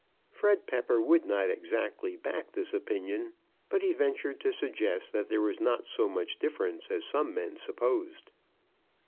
Fred Pepper would not exactly back this opinion, but he ventured to suggest that there was not so much difference as some men supposed.